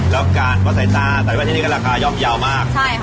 แล้วกันว่าใส่ตาแต่แว่นที่นี้ก็ราคายอัมเยาห์มาก